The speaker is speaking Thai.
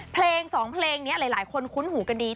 เพลงสองเพลงนี้หลายคนคุ้นหูกันดี